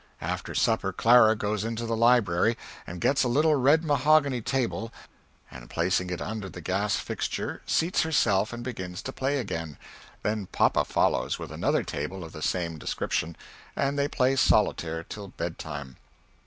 after supper Clara goes into the library, and gets a little red mahogany table, and placing it under the gas fixture seats herself and begins to play again, then papa follows with another table of the same discription, and they play solatair till bedtime.